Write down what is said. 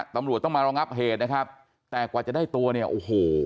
ตำรวจต้องมารองับเหตุนะครับแต่กว่าจะได้ตัวเนี่ยโอ้โห